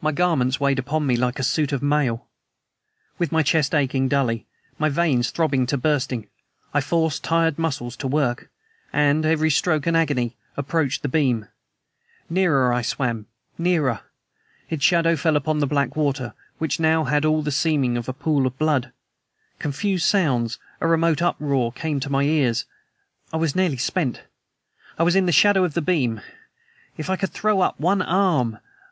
My garments weighed upon me like a suit of mail; with my chest aching dully, my veins throbbing to bursting, I forced tired muscles to work, and, every stroke an agony, approached the beam. Nearer I swam ... nearer. Its shadow fell black upon the water, which now had all the seeming of a pool of blood. Confused sounds a remote uproar came to my ears. I was nearly spent ... I was in the shadow of the beam! If I could throw up one arm.